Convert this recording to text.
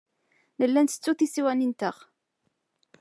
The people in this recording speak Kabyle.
Nella nettettu tisiwanin-nteɣ.